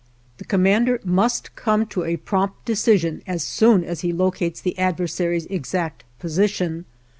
The commander must come to a prompt decision as soon as he locates the adversary's exact position.